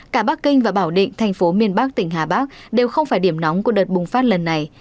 cả bắc kinh và bảo định thành phố miền bắc tỉnh hà bắc đều không phải điểm nóng của đợt bùng phát lần này